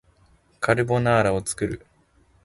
カルボナーラを作る